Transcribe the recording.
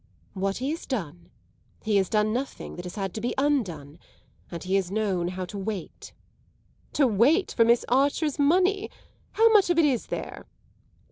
"What he has done? He has done nothing that has had to be undone. And he has known how to wait." "To wait for Miss Archer's money? How much of it is there?"